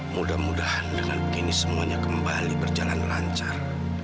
mudah mudahan dengan begini semuanya kembali berjalan lancar